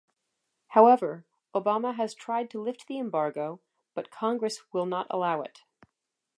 However, Obama has tried to lift the embargo, but congress will not allow it.